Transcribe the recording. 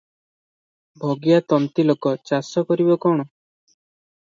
ଭଗିଆ ତନ୍ତୀଲୋକ, ଚାଷ କରିବ କଣ?